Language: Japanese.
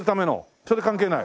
それ関係ない？